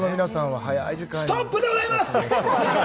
ストップでございます。